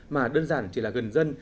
mà đơn giản chỉ là gần dân